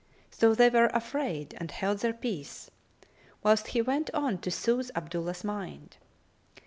so they were afraid and held their peace; whilst he went on to soothe Abdullah's mind.